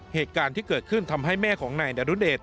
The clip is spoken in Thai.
เหตุการณ์ที่เกิดขึ้นทำให้แม่ของนายดรุเดช